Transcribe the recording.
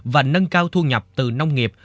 và nâng cao thu nhập từ nông nghiệp